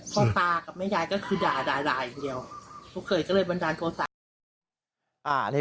พ่อตากับแม่ยายก็คือด่าด่าแล้ว